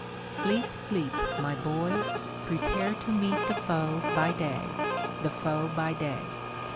Sleep, sleep, my boy; prepare to meet The foe by day the foe by day!